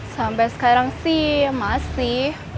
sampai sekarang sih masih